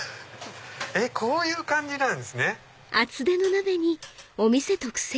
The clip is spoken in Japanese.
えっこういう感じなんですね。